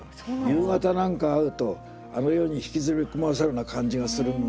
夕方なんか会うとあの世に引きずり込まされるような感じがするので。